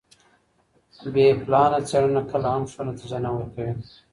بې پلانه څېړنه کله هم ښه نتیجه نه ورکوي.